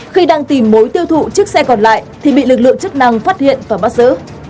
khi đang tìm mối tiêu thụ chiếc xe còn lại thì bị lực lượng chức năng phát hiện và bắt giữ